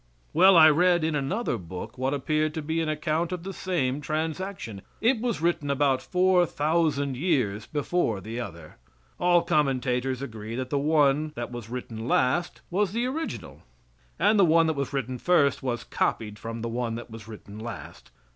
Well, I read in another book what appeared to be an account of the same transaction. It was written about four thousand years before the other. All commentators agree that the one that was written last was the original, and the one that was written first was copied from the one that was written last.